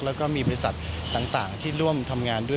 แล้วก็มีบริษัทต่างที่ร่วมทำงานด้วย